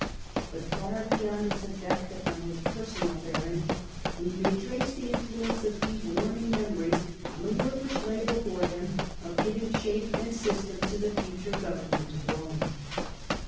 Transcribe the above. But, far beyond its effect upon his personal bearing, we may trace the influence of these warning memories on the work which lay before him, of giving The change shape and system to the future goveiiiment of Rome.